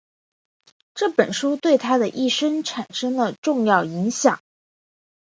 这本书对他的一生产生了重要影响。